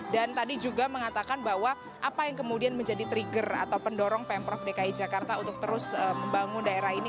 tadi juga mengatakan bahwa apa yang kemudian menjadi trigger atau pendorong pemprov dki jakarta untuk terus membangun daerah ini